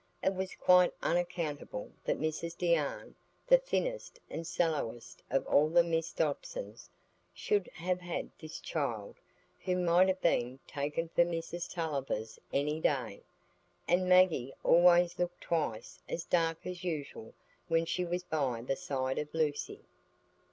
It was quite unaccountable that Mrs Deane, the thinnest and sallowest of all the Miss Dodsons, should have had this child, who might have been taken for Mrs Tulliver's any day. And Maggie always looked twice as dark as usual when she was by the side of Lucy.